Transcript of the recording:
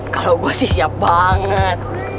kalau gue sih siap banget